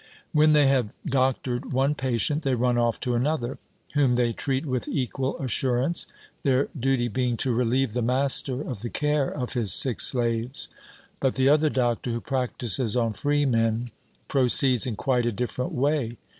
When they have doctored one patient they run off to another, whom they treat with equal assurance, their duty being to relieve the master of the care of his sick slaves. But the other doctor, who practises on freemen, proceeds in quite a different way.